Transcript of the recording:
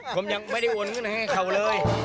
ผมยังไม่ได้วนเงินให้เขาเลย